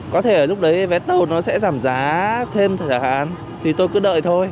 có thể lúc đấy vé tàu nó sẽ giảm giá thêm thời gian thì tôi cứ đợi thôi